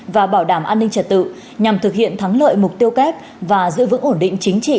và bảo đảm an ninh trật tự nhằm thực hiện thắng lợi mục tiêu kép và giữ vững ổn định chính trị